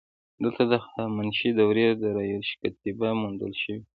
دلته د هخامنشي دورې د داریوش کتیبه موندل شوې